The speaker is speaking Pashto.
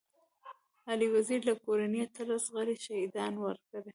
علي وزير له کورنۍ اتلس غړي شهيدان ورکړي.